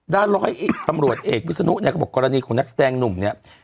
ร้อยเอกตำรวจเอกวิศนุเนี่ยก็บอกกรณีของนักแสดงหนุ่มเนี่ย